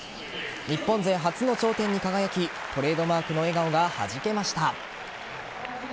日本勢初の頂点に輝きトレードマークの笑顔がはじけました。